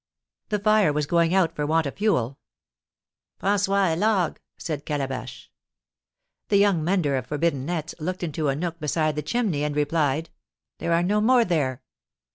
The fire was going out for want of fuel. "François, a log," said Calabash. The young mender of forbidden nets looked into a nook beside the chimney, and replied: "There are no more there."